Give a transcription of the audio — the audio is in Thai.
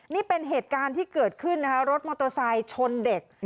นี่เป็นเหตุการณ์ที่เกิดขึ้นนะคะรถมอเตอร์ไซค์ชนเด็ก